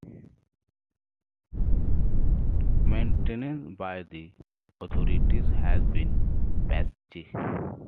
Maintenance by the authorities has been patchy.